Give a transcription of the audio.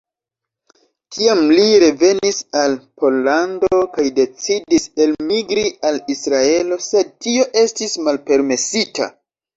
Tiam li revenis al Pollando kaj decidis elmigri al Israelo, sed tio estis malpermesita.